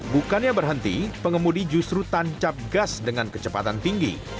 bukannya berhenti pengemudi justru tancap gas dengan kecepatan tinggi